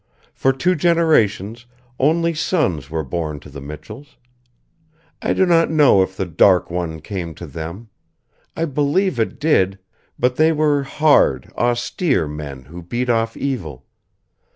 For two generations only sons were born to the Michells. I do not know if the Dark One came to them. I believe it did, but they were hard, austere men who beat off evil.